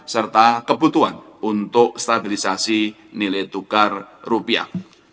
serta kebutuhan untuk stabilisasi nilai tukar rupiah